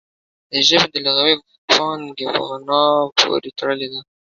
د ژبې د لغوي پانګې په غنا پورې تړلې ده